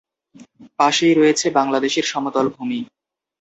পাশেই রয়েছে বাংলাদেশের সমতল ভূমি।